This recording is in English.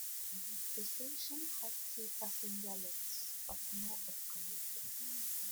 The station has two passenger lifts but no escalators.